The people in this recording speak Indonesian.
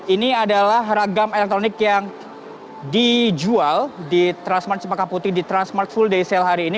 ini adalah ragam elektronik yang dijual di transmart cepaka putih di transmart full day sale hari ini